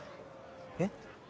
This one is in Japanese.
えっ？